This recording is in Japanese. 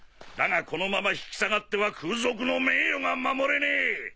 だがこのまま引き下がっては空賊の名誉が守れねえ！